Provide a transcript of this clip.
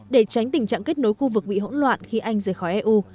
để tránh tình trạng kết nối khu vực bị hỗn loạn khi anh rời khỏi eu